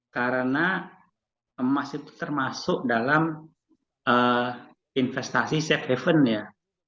karena emas itu termasuk dalam investasi safe haven ya